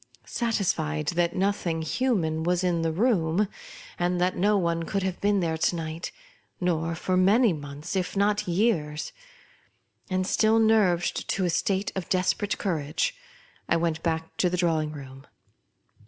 Satisfied that nothing hu man was in the room, and that no one could have been thereto night, nor for many months, if not years, and still nerved to a state of des perate courage, I went back to the drawing room.